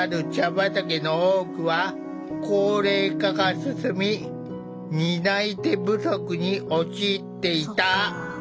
畑の多くは高齢化が進み担い手不足に陥っていた。